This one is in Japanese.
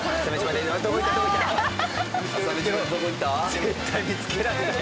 絶対見つけられない。